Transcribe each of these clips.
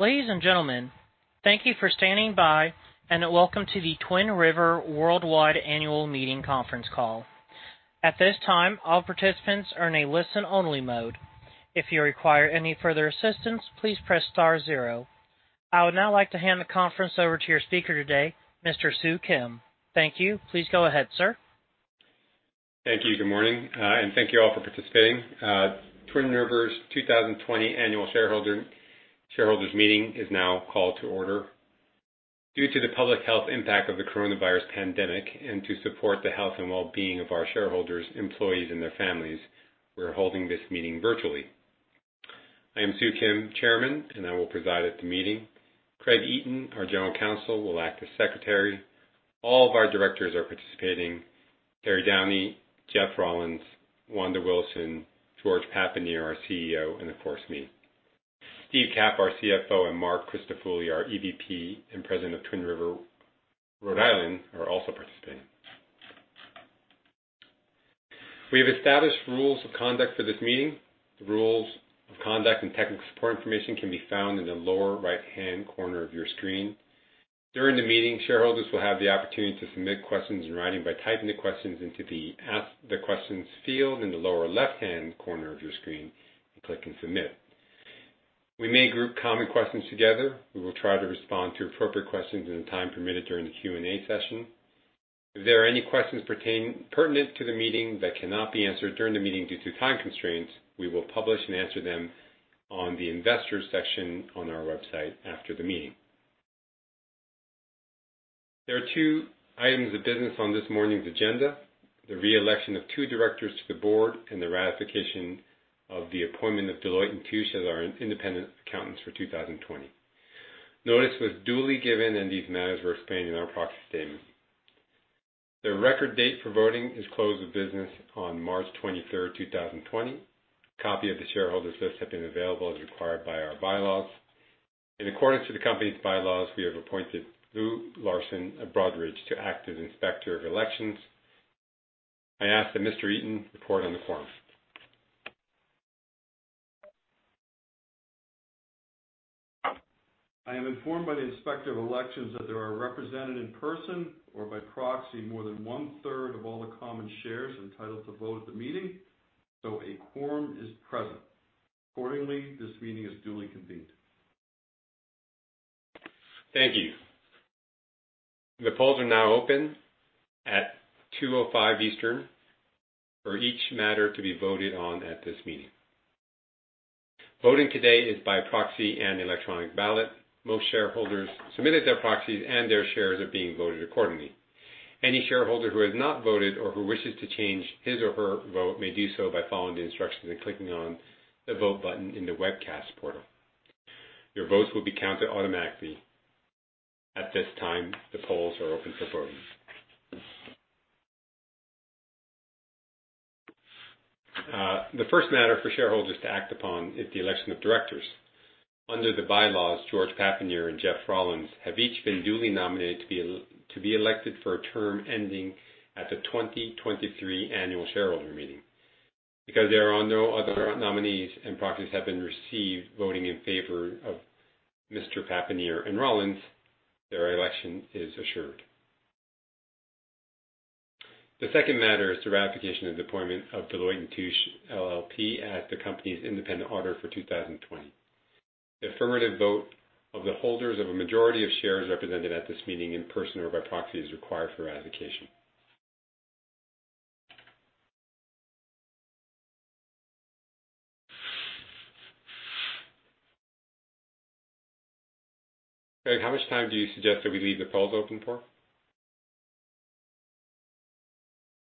Ladies and gentlemen, thank you for standing by. Welcome to the Twin River Worldwide Annual Meeting Conference Call. At this time, all participants are in a listen-only mode. If you require any further assistance, please press star zero. I would now like to hand the conference over to your speaker today, Mr. Soo Kim. Thank you. Please go ahead, sir. Thank you. Good morning, and thank you all for participating. Twin River's 2020 Annual Shareholders' Meeting is now called to order. Due to the public health impact of the COVID-19 pandemic and to support the health and wellbeing of our shareholders, employees, and their families, we're holding this meeting virtually. I am Soo Kim, Chairman, and I will preside at the meeting. Craig Eaton, our General Counsel, will act as Secretary. All of our directors are participating. Terry Downey, Jeff Rollins, Wanda Wilson, George Papanier, our CEO, and of course, me. Steve Capp, our CFO, and Marc Crisafulli, our EVP and President of Twin River Rhode Island, are also participating. We have established rules of conduct for this meeting. The rules of conduct and technical support information can be found in the lower right-hand corner of your screen. During the meeting, shareholders will have the opportunity to submit questions in writing by typing the questions into the ask the questions field in the lower left-hand corner of your screen and clicking submit. We may group common questions together. We will try to respond to appropriate questions in the time permitted during the Q&A session. If there are any questions pertinent to the meeting that cannot be answered during the meeting due to time constraints, we will publish and answer them on the investors section on our website after the meeting. There are two items of business on this morning's agenda, the re-election of two directors to the board and the ratification of the appointment of Deloitte & Touche as our independent accountants for 2020. Notice was duly given, and these matters were explained in our proxy statement. The record date for voting is close of business on March 23rd, 2020. Copy of the shareholders' list have been available as required by our bylaws. In accordance to the company's bylaws, we have appointed [Boo Larson] of Broadridge to act as Inspector of Elections. I ask that Mr. Eaton report on the quorum. I am informed by the Inspector of Elections that there are represented in person or by proxy, more than one-third of all the common shares entitled to vote at the meeting, a quorum is present. Accordingly, this meeting is duly convened. Thank you. The polls are now open at 2:05 P.M. Eastern for each matter to be voted on at this meeting. Voting today is by proxy and electronic ballot. Most shareholders submitted their proxies, and their shares are being voted accordingly. Any shareholder who has not voted or who wishes to change his or her vote may do so by following the instructions and clicking on the vote button in the webcast portal. Your votes will be counted automatically. At this time, the polls are open for voting. The first matter for shareholders to act upon is the election of directors. Under the bylaws, George Papanier and Jeff Rollins have each been duly nominated to be elected for a term ending at the 2023 annual shareholder meeting. Because there are no other nominees and proxies have been received voting in favor of Mr. Papanier and Rollins, their election is assured. The second matter is the ratification of the appointment of Deloitte & Touche LLP as the company's independent auditor for 2020. The affirmative vote of the holders of a majority of shares represented at this meeting in person or by proxy is required for ratification. Craig, how much time do you suggest that we leave the polls open for?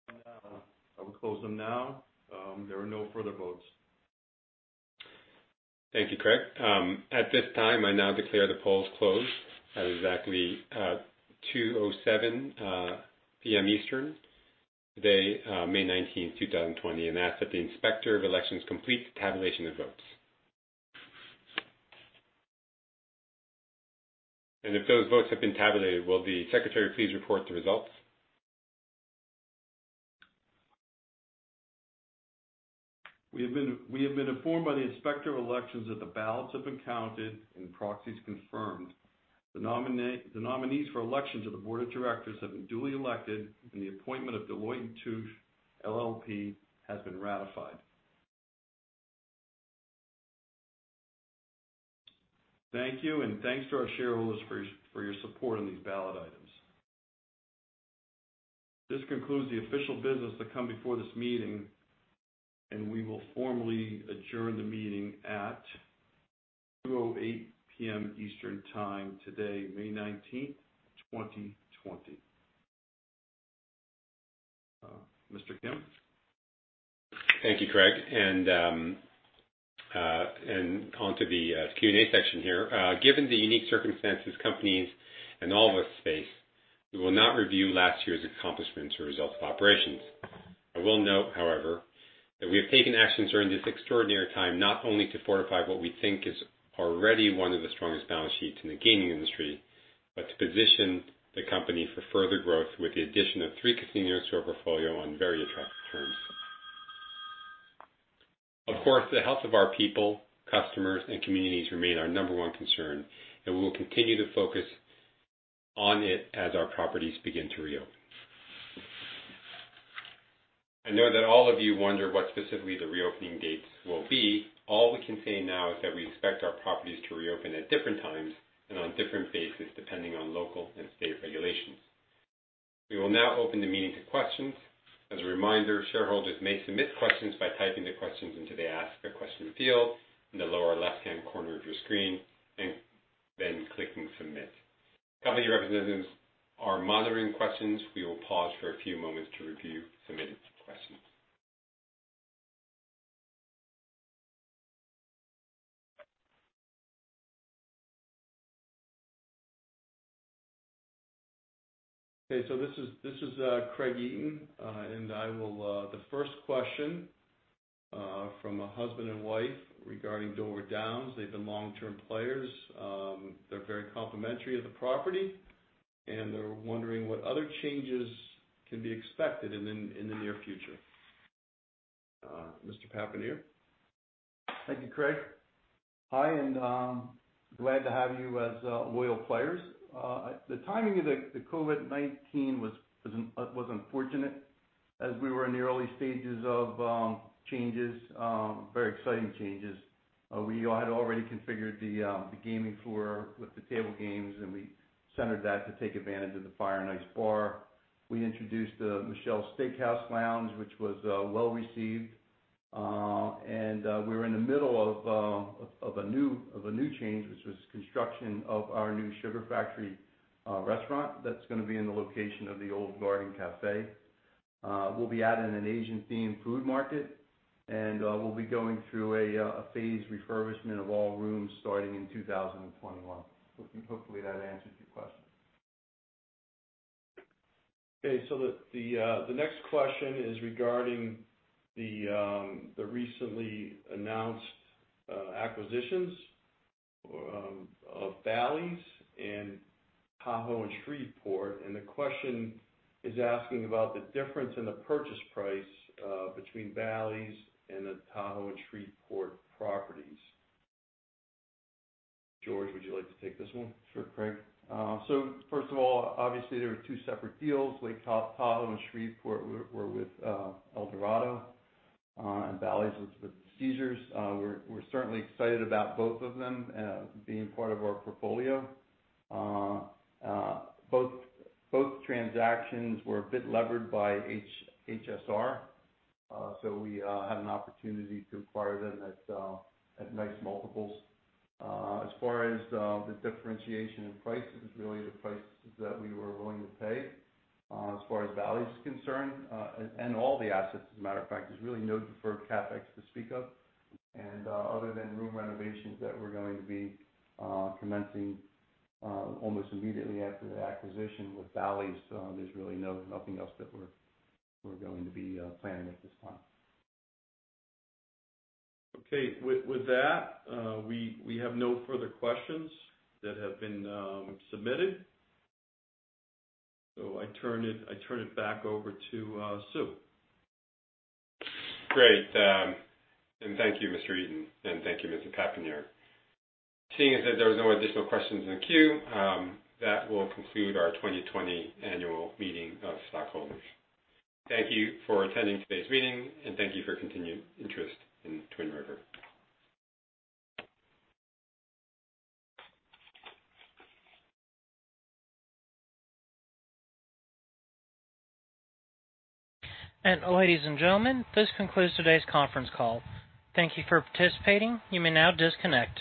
I would close them now. There are no further votes. Thank you, Craig. At this time, I now declare the polls closed at exactly 2:07 P.M. Eastern today, May 19, 2020, and ask that the Inspector of Elections complete the tabulation of votes. If those votes have been tabulated, will the Secretary please report the results? We have been informed by the Inspector of Elections that the ballots have been counted and proxies confirmed. The nominees for election to the board of directors have been duly elected, and the appointment of Deloitte & Touche LLP has been ratified. Thank you, and thanks to our shareholders for your support on these ballot items. This concludes the official business to come before this meeting, and we will formally adjourn the meeting at 2:08 P.M. Eastern Time today, May 19th, 2020. Mr. Kim? Thank you, Craig. Onto the Q&A section here. Given the unique circumstances companies and all of us face, we will not review last year's accomplishments or results of operations. I will note, however, that we have taken actions during this extraordinary time, not only to fortify what we think is already one of the strongest balance sheets in the gaming industry, but to position the company for further growth with the addition of three casinos to our portfolio on very attractive terms. Of course, the health of our people, customers, and communities remain our number 1 concern, and we will continue to focus on it as our properties begin to reopen. I know that all of you wonder what specifically the reopening dates will be. All we can say now is that we expect our properties to reopen at different times and on different phases, depending on local and state regulations. We will now open the meeting to questions. As a reminder, shareholders may submit questions by typing the questions into the Ask a Question field in the lower left-hand corner of your screen, and then clicking submit. Company representatives are monitoring questions. We will pause for a few moments to review submitted questions. This is Craig Eaton. The first question from a husband and wife regarding Dover Downs. They've been long-term players. They're very complimentary of the property, and they're wondering what other changes can be expected in the near future. Mr. Papanier? Thank you, Craig. Hi, glad to have you as loyal players. The timing of the COVID-19 was unfortunate as we were in the early stages of changes, very exciting changes. We had already configured the gaming floor with the table games, we centered that to take advantage of the Fire & Ice Bar. We introduced the Michele's Steakhouse Lounge, which was well-received. We were in the middle of a new change, which was construction of our new Sugar Factory restaurant that's going to be in the location of the old Garden Cafe. We'll be adding an Asian-themed food market, we'll be going through a phase refurbishment of all rooms starting in 2021. Hopefully, that answers your question. Okay, the next question is regarding the recently announced acquisitions of Bally's and Tahoe and Shreveport, and the question is asking about the difference in the purchase price between Bally's and the Tahoe and Shreveport properties. George, would you like to take this one? Sure, Craig. First of all, obviously, they were two separate deals. Lake Tahoe and Shreveport were with Eldorado, and Bally's was with Caesars. We're certainly excited about both of them being part of our portfolio. Both transactions were a bit levered by HSR. We had an opportunity to acquire them at nice multiples. As far as the differentiation in price, it was really the prices that we were willing to pay. As far as Bally's is concerned, and all the assets as a matter of fact, there's really no deferred CapEx to speak of. Other than room renovations that we're going to be commencing almost immediately after the acquisition with Bally's, there's really nothing else that we're going to be planning at this time. Okay. With that, we have no further questions that have been submitted. I turn it back over to Soo. Great. Thank you, Mr. Eaton, and thank you, Mr. Papanier. Seeing as that there was no additional questions in the queue, that will conclude our 2020 Annual Meeting of Stockholders. Thank you for attending today's meeting and thank you for your continued interest in Twin River. Ladies and gentlemen, this concludes today's conference call. Thank you for participating. You may now disconnect.